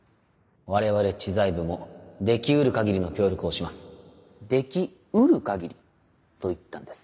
我々知財部もできうる限りの協力をし「できうる限り」と言ったんです。